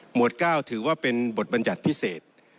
หมวด๙ถือว่าเป็นบทบัญญัติพิเศษ